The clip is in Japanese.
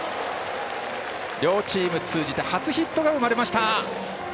両チーム通じて初ヒットが生まれました。